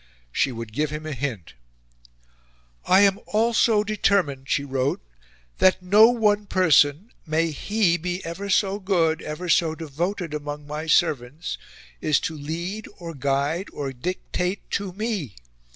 She would give him a hint. "I am ALSO DETERMINED," she wrote, "that NO ONE person may HE be ever so good, ever so devoted among my servants is to lead or guide or dictate TO ME.